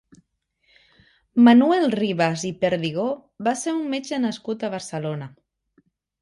Manuel Ribas i Perdigó va ser un metge nascut a Barcelona.